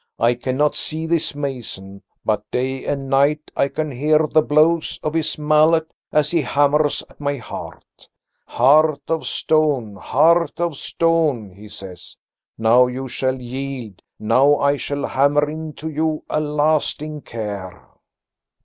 "I cannot see this mason, but day and night I can hear the blows of his mallet as he hammers at my heart. 'Heart of stone, heart of stone,' he says, 'now you shall yield. Now I shall hammer into you a lasting care.'"